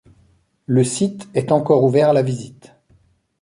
Le site est encore ouvert à la visite.